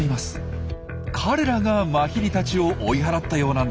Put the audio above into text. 彼らがマヒリたちを追い払ったようなんです。